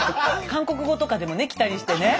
韓国語とかでもね来たりしてね。